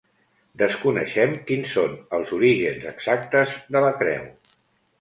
Desconeixem quins són els orígens exactes de la creu.